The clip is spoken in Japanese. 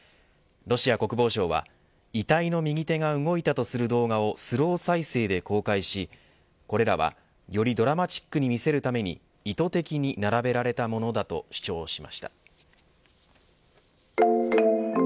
ロシア国防省は遺体の右手が動いたとする動画をスロー再生で公開しこれらは、よりドラマチックに見せるために意図的に並べられたものだと主張しました。